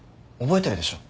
覚えてるでしょ？